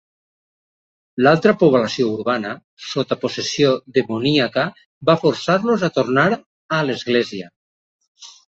L'altra població urbana, sota possessió demoníaca, va forçar-los a tornar a l'església.